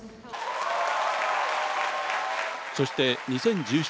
そして、２０１７年。